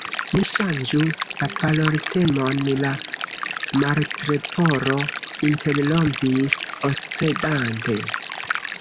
"Ni ŝanĝu la paroltemon," la Martleporo interrompis, oscedante.